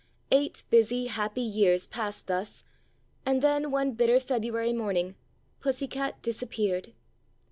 Eight busy, happy years passed thus, and then one bitter February morning, Pussy cat dis appeared.